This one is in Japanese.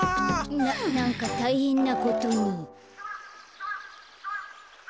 ななんかたいへんなことに。